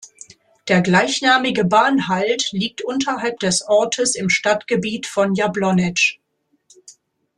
Der gleichnamige Bahnhalt liegt unterhalb des Ortes im Stadtgebiet von Jablonec.